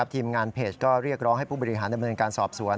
ทีมงานเพจก็เรียกร้องให้ผู้บริหารดำเนินการสอบสวน